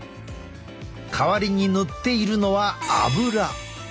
代わりに塗っているのはアブラ。